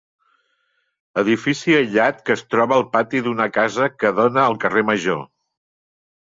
Edifici aïllat que es troba al pati d'una casa que dóna al carrer Major.